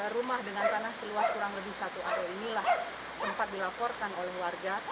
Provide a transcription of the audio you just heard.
rumah dengan tanah seluas kurang lebih satu aro inilah sempat dilaporkan oleh warga